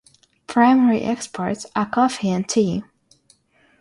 Primary exports are coffee and tea.